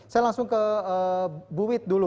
saya langsung ke bu wit dulu